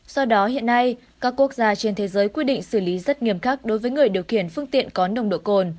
do đó hiện nay các quốc gia trên thế giới quy định xử lý rất nghiêm khắc đối với người điều khiển phương tiện có nồng độ cồn